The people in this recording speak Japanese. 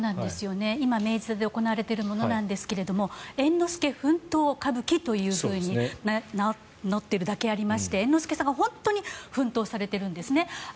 今、明治座で行われているものなんですが猿之助奮闘歌舞伎となっているだけありまして猿之助さんが本当に奮闘されているんですね。